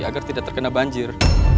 agar tidak terkena banjir